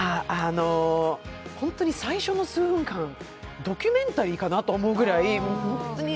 本当に最初の数分間、ドキュメンタリーかなと思うくらい。